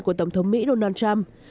của tổng thống mỹ donald trump